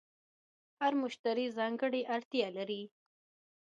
هر مشتری ځانګړې اړتیا لري.